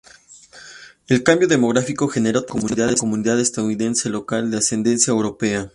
El cambio demográfico generó tensión en la comunidad estadounidense local de ascendencia europea.